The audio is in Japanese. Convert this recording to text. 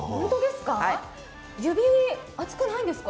指、熱くないんですか？